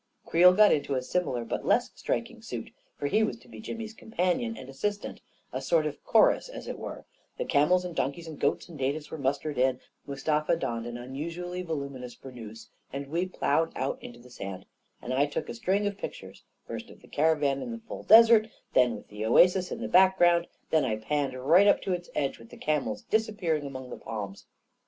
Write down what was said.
Creel got into a similar but less striking suit, for he was to be Jimmy's companion and assist ant — a sort of chorus, as it were ; the camels and donkeys and goats and natives were mustered in; Mustafa donned an unusually voluminous burnous; and we plowed out into the sand, and I took a string of pictures — first of the caravan in the full desert, and then with the oasis in the background ; and then I panned right up to its edge, with the camels dis appearing among the palms.